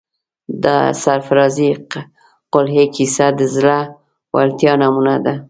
د سرافرازۍ قلعې کیسه د زړه ورتیا نمونه ده.